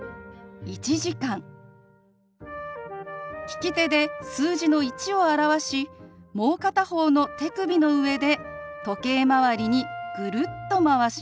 利き手で数字の１を表しもう片方の手首の上で時計まわりにグルッとまわします。